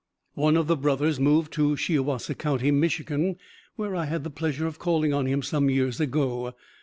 One of the brothers moved to Shiawassee County, Michigan, where I had the pleasure of calling on him, some years ago.